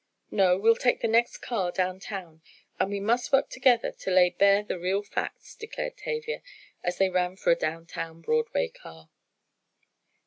"No, we'll take the next car downtown, and we must work together to lay bare the real facts!" declared Tavia as they ran for a downtown Broadway car.